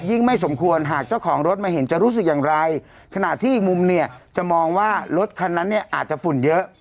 ไม่สมควรหากเจ้าของรถมาเห็นจะรู้สึกอย่างไรขณะที่อีกมุมเนี่ยจะมองว่ารถคันนั้นเนี่ยอาจจะฝุ่นเยอะ